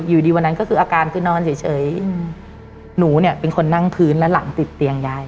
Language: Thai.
อยู่ดีวันนั้นก็คืออาการคือนอนเฉยอืมหนูเนี่ยเป็นคนนั่งพื้นและหลังติดเตียงยาย